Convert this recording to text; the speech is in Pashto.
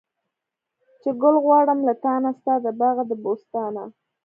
چې ګل غواړم له تانه، ستا د باغه د بوستانه